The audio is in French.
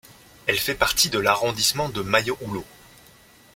Elle fait partie de l'arrondissement de Mayo-Oulo.